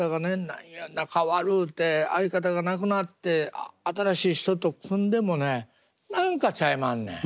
何や仲悪うて相方がなくなって新しい人と組んでもね何かちゃいまんねん。